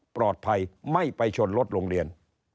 ปลอดภัยไม่ไปชนรถโรงเรียน